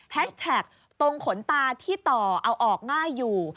แท็กตรงขนตาที่ต่อเอาออกง่ายอยู่